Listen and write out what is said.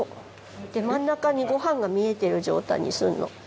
真ん中にご飯が見えてる状態にするの。